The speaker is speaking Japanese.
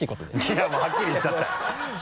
いやもうはっきり言っちゃったよ